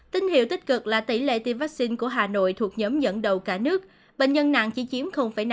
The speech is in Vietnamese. tin hiệu tích cực là tỷ lệ tiêm vaccine của hà nội thuộc nhóm dẫn đầu cả nước bệnh nhân nặng chỉ chiếm năm